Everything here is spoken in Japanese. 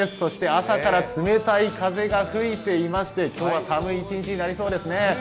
そして、朝から冷たい風が吹いていまして、きょうは寒い一日になりそうですね。